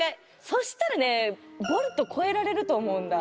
そしたらねボルトこえられると思うんだ。